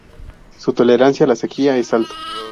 Su tolerancia a la sequía es alto.